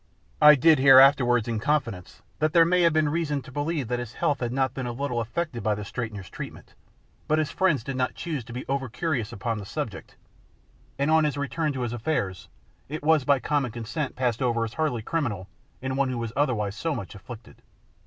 I did hear afterwards in confidence that there had been reason to believe that his health had been not a little affected by the straightener's treatment, but his friends did not choose to be over curious upon the subject, and on his return to his affairs it was by common consent passed over as hardly criminal in one who was otherwise so much afflicted.